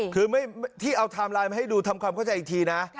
คือที่เอาไทม์ไลน์มาให้ดูทำความเข้าใจอีกทีนะ